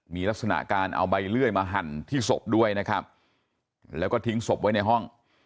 มีลักษณะการเอาใบเลื่อยมาหั่นที่ศพด้วยนะครับแล้วก็ทิ้งศพไว้ในห้อง